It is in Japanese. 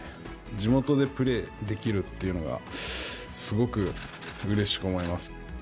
地元でプレーできるというのが、すごくうれしく思います。